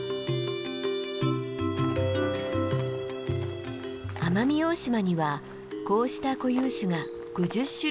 奄美大島にはこうした固有種が５０種類ほどもあるそう。